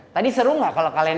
tadi seru gak kalau kalian